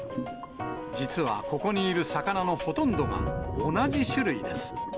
実は、ここにいる魚のほとんどが同じ種類です。